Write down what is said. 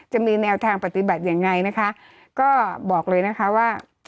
จะมีแนวทางปฏิบัติยังไงนะคะก็บอกเลยนะคะว่า